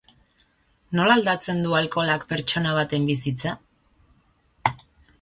Nola aldatzen du alkoholak pertsona baten bizitza?